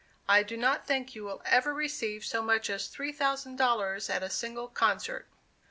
I do not think you will ever receive so much as three thousand dollars at a single concert."